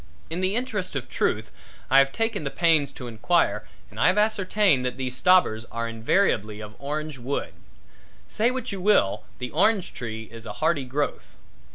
In the interest of truth I have taken the pains to enquire and I have ascertained that these stobbers are invariably of orange wood. Say what you will, the orange tree is a hardy growth.